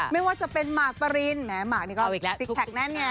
ไม่ว่าจะเป็นหมากปรินแม้หมากนี่ก็ซิกแพคแน่นไง